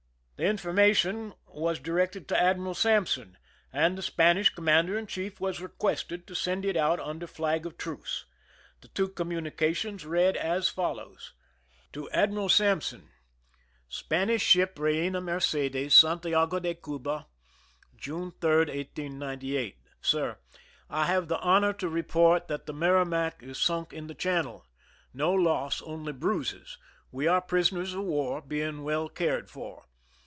The information was directed to Admiral Sampson, and the Spanish commander in chief was requested to send it out under flag of truce. The two communications read as follows : 135 THE SINKING OF THE "MERRIMAC" To Admiral Sampson : Spanish Ship ^'* Reena Mercedes," SANTLA.GO DE CuBA, June 3, 1898. Sir : I have the honor to report that the Merrimac is sunk in the channel. No loss, only bruises. We are pris oners of war, being well cared for.